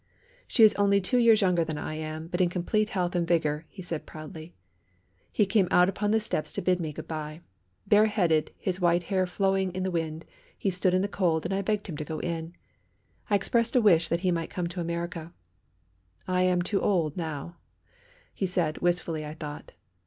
"She is only two years younger than I am, but in complete health and vigour," he said proudly. He came out upon the steps to bid me good bye. Bareheaded, his white hair flowing in the wind, he stood in the cold and I begged him to go in. I expressed a wish that he might come to America. "I am too old now," he said, wistfully, I thought.